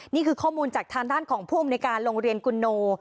นี่คือข้อมูลจากทางด้านของผู้อำนวยการโรงเรียนกุโน